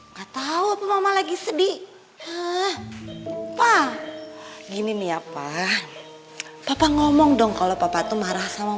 nggak tahu apa mama lagi sedih ah pak gini nih apa papa ngomong dong kalau papa tuh marah sama